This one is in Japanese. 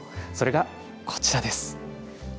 それが、こちらです。